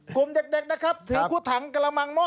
กลุ่มเด็กนะครับถือคู่ถังกระมังหม้อ